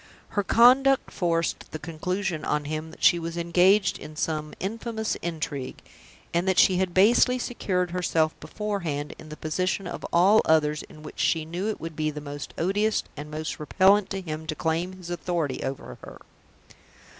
Her conduct forced the conclusion on him that she was engaged in some infamous intrigue; and that she had basely secured herself beforehand in the position of all others in which she knew it would be most odious and most repellent to him to claim his authority over her.